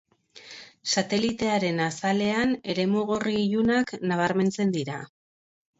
Satelitearen azalean eremu gorri ilunak nabarmentzen dira.